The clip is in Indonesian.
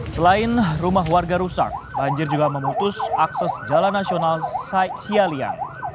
selain rumah warga rusak banjir juga memutus akses jalan nasional sialia